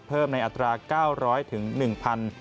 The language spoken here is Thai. เพิ่มในอัตรา๙๐๐ถึง๑๐๐๐